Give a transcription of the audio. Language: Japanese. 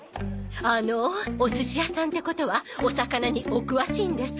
あのおすし屋さんってことはお魚にお詳しいんですか？